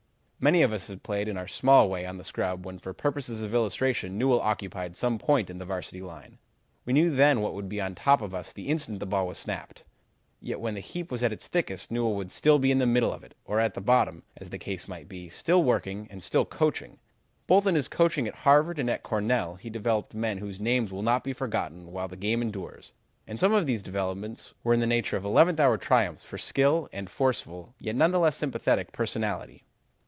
Many of us have played in our small way on the scrub when for purposes of illustration Newell occupied some point in the Varsity line. We knew then what would be on top of us the instant the ball was snapped. Yet when the heap was at its thickest Newell would still be in the middle of it or at the bottom, as the case might be, still working, and still coaching. Both in his coaching at Harvard and at Cornell he developed men whose names will not be forgotten while the game endures, and some of these developments were in the nature of eleventh hour triumphs for skill and forceful, yet none the less sympathetic, personality.